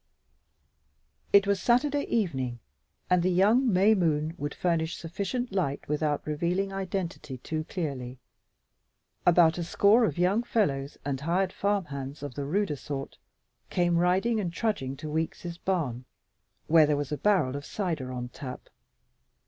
It was Saturday evening, and the young May moon would furnish sufficient light without revealing identity too clearly. About a score of young fellows and hired farm hands of the ruder sort came riding and trudging to Weeks' barn, where there was a barrel of cider on tap.